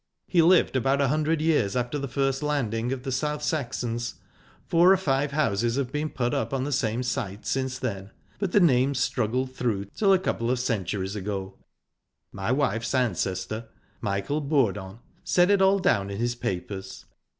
He lived about a hundred years after the first landing of the South Saxons. Four or five houses have been put up on the same site since then, but the name struggled through till a couple centuries ago. My wife's ancestor, Michael Bourdon, set it all down in his papers.